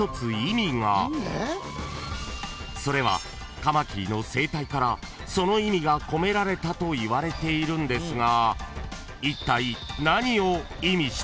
［それはカマキリの生態からその意味が込められたといわれているんですが］